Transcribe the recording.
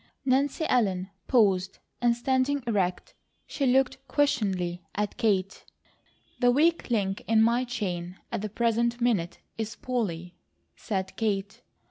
Nancy Ellen paused and standing erect she looked questioningly at Kate. "The weak link in my chain at the present minute is Polly," said Kate.